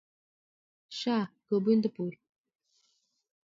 Sa - Gobindpur.